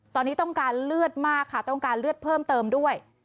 ตอนนี้ต้องการเลือดมากค่ะต้องการเลือดเพิ่มเติมด้วย